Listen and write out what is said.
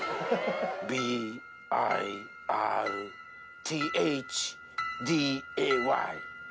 Ｂ・Ｉ・Ｒ・Ｔ・Ｈ・Ｄ・Ａ・Ｙ。